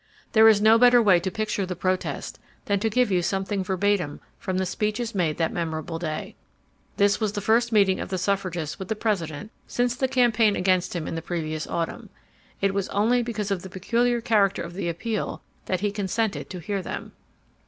There is no better way to picture the protest than to give you something verbatim from the speeches made that memorable day. This was the first meeting of suffragists with the President since the campaign against him in the previous autumn. It was only because of the peculiar character of the appeal that he consented to hear them.